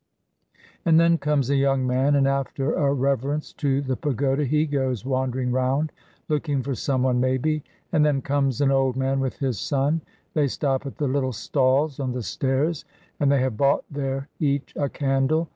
And then comes a young man, and after a reverence to the pagoda he goes wandering round, looking for someone, maybe; and then comes an old man with his son. They stop at the little stalls on the stairs, and they have bought there each a candle.